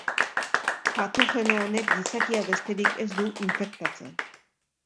Patogeno honek gizakia besterik ez du infektatzen.